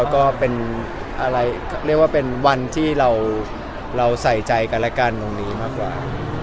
ก็เป็นวันที่เราใส่ใจกันและกันตรงนี้มากกว่า